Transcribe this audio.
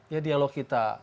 ya dialog kita